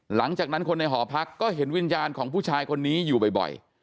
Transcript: หลังจากนั้นคนในหอพักก็เห็นวิญญาณของผู้ชายคนนี้อยู่บ่อย